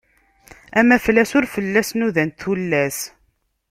Amaflas ur fell-as nudant tullas.